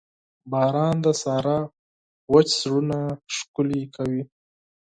باران د صحرا وچ زړونه ښکلي کوي.